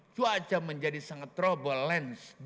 cuaca menjadi sangat trouble lens dimana